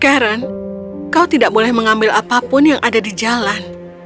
karen kau tidak boleh mengambil apapun yang ada di jalan